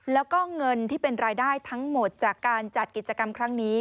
แล้วก็เงินที่เป็นรายได้ทั้งหมดจากการจัดกิจกรรมครั้งนี้